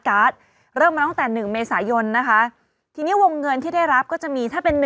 การ์ดเริ่มมาตั้งแต่หนึ่งเมษายนนะคะทีนี้วงเงินที่ได้รับก็จะมีถ้าเป็น